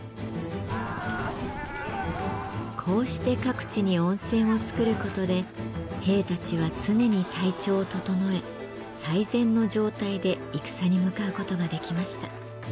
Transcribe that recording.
こうして各地に温泉をつくることで兵たちは常に体調を整え最善の状態で戦に向かうことができました。